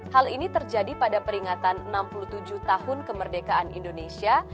hal ini terjadi pada peringatan enam puluh tujuh tahun kemerdekaan indonesia